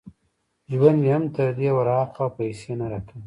ژوند مې هم تر دې ور ها خوا پیسې نه را کوي